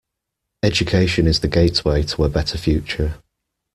Education is the gateway to a better future.